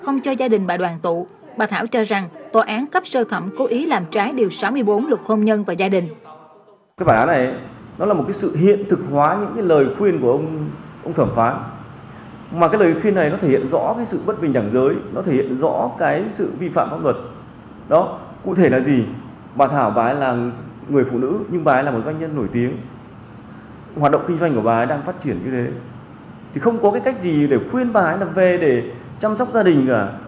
không cho gia đình bà đoàn tụ bà thảo cho rằng tòa án cấp sơ thẩm cố ý làm trái điều sáu mươi bốn luật hôn nhân và gia đình